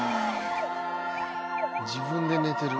「自分で寝てる」